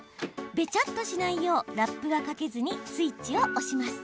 べちゃっとしないようラップはかけずにスイッチを押します。